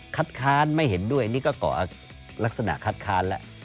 คัดค้านไม่เห็นด้วยนี่ก็เกาะลักษณะคัดค้านแหละ